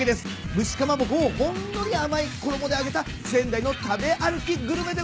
蒸しかまぼこをほんのり甘い衣で揚げた仙台の食べ歩きグルメでございます。